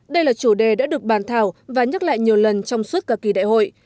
đây là chủ đề đã được bàn thảo và nhắc lại nhiều lần trong suốt cả kỳ đại hội